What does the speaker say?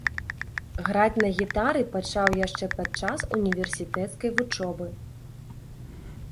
Граць на гітары пачаў яшчэ падчас універсітэцкай вучобы.